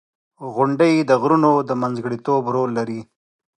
• غونډۍ د غرونو د منځګړیتوب رول لري.